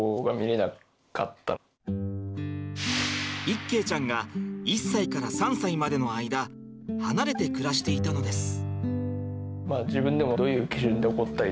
一慶ちゃんが１歳から３歳までの間離れて暮らしていたのです。